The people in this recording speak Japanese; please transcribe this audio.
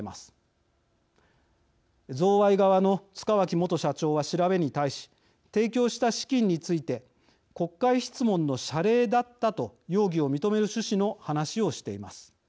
贈賄側の塚脇元社長は調べに対し提供した資金について「国会質問の謝礼だった」と容疑を認める趣旨の話をしています。